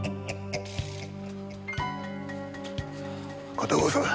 片岡さん。